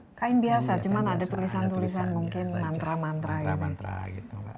dari kain biasa cuma ada tulisan tulisan mungkin mantra mantra gitu